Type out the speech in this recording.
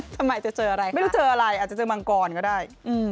ทำไมจะเจออะไรไม่รู้เจออะไรอาจจะเจอมังกรก็ได้